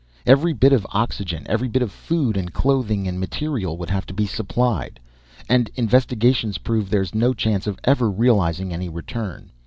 "Every bit of oxygen, every bit of food and clothing and material, would have to be supplied. And investigations prove there's no chance of ever realizing any return.